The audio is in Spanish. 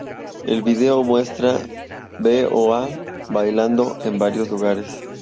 El vídeo muestra BoA bailando en varios lugares.